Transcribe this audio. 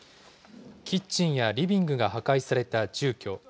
キッチンやリビングが破壊された住居。